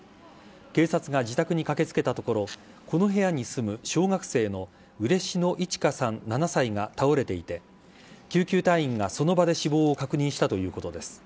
警察が自宅に駆けつけたところ、この部屋に住む小学生の嬉野いち花さん７歳が倒れていて、救急隊員がその場で死亡を確認したということです。